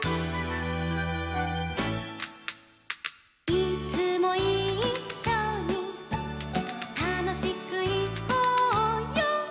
「いつもいっしょにたのしくいこうよ」